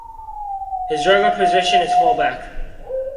His regular position is fullback.